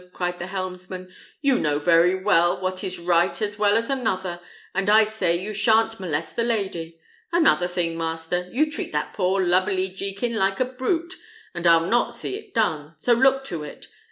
cried the helmsman; "you know very well what is right as well as another, and I say you sha'n't molest the lady. Another thing, master: you treat that poor lubberly Jekin like a brute, and I'll not see it done, so look to it.